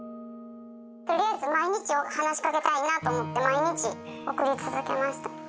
とりあえず、毎日話しかけたいなと思って、毎日送り続けました。